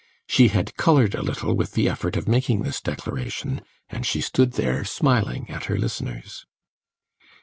She had coloured a little with the effort of making this declaration, and she stood there smiling at her listeners.